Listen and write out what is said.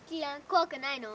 怖くないの？